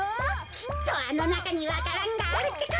きっとあのなかにわか蘭があるってか！